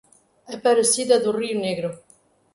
Aparecida do Rio Negro